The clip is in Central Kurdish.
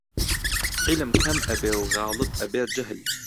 عیلم کەم ئەبێ و غاڵب ئەبێ جەهل